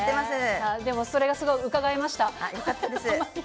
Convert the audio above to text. でもそれがすごいうかがえまよかったです。